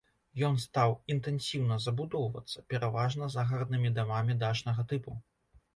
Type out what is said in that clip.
Ён стаў інтэнсіўна забудоўвацца, пераважна загараднымі дамамі дачнага тыпу.